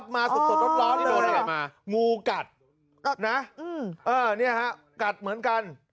มาสุดรถร้อนที่โดนใหญ่มางูกัดนะเนี่ยฮะกัดเหมือนกัน